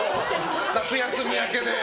夏休み明けで。